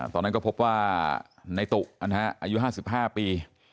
ตอนนั้นก็พบว่าในตุอายุ๕๕ปี